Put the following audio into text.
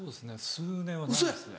数年はないですね。